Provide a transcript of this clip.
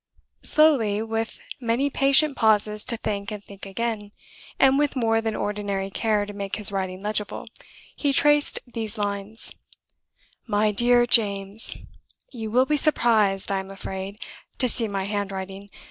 Slowly, with many patient pauses to think and think again, and with more than ordinary care to make his writing legible, he traced these lines: "MY DEAR JAMES You will be surprised, I am afraid, to see my handwriting.